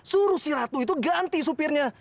suruh si ratu itu ganti supirnya